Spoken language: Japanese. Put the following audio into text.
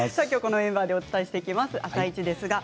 きょうは、このメンバーでお伝えしていきます。